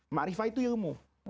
ma'rifah itu ilmu